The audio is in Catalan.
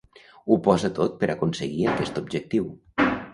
Ho posa tot per aconseguir aquest objectiu.